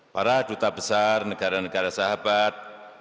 para duta besar negara negara sahabat